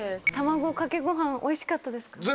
卵かけご飯おいしかったですか？